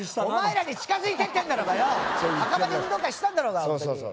お前らに近づいてってんだろうがよ！